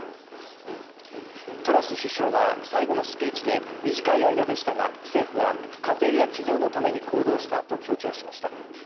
トラス首相は最後のスピーチで短い間でしたが政府は家庭や企業のために行動したと強調しました。